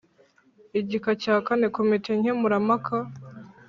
Igika cya kane komite nkemurampaka